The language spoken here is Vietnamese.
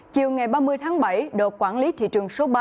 chiều ngày ba mươi tháng bảy đội quản lý thị trường số ba